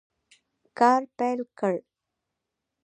کار پیل کړ.